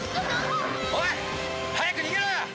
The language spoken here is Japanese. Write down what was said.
おい早く逃げろ！